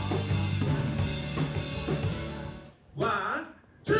ワンツー！